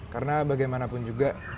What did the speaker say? karena bagaimanapun juga